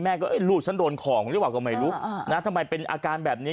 แม่ก็เอ๊ะลูกฉันโดนของหรือวะก็ไม่รู้นะทำไมเป็นอาการแบบนี้